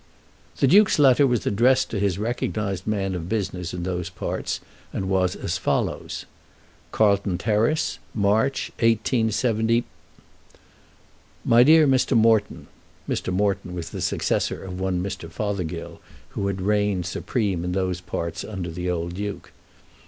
The Duke's letter was addressed to his recognised man of business in those parts, and was as follows: Carlton Terrace, March, 187 . MY DEAR MR. MORETON, [Mr. Moreton was the successor of one Mr. Fothergill, who had reigned supreme in those parts under the old Duke.